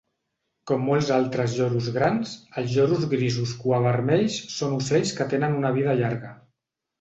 Com molts altres lloros grans, els lloros grisos cuavermells són ocells que tenen una vida llarga.